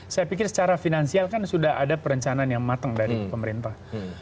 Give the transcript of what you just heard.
saya pikir secara finansial kan sudah ada perencanaan yang matang dari pemerintah